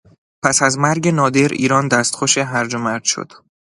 پس از مرگ نادر، ایران دستخوش هرج و مرج شد.